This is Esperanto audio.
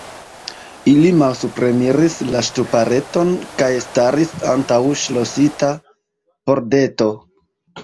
Ili malsupreniris la ŝtupareton kaj staris antaŭ ŝlosita pordeto.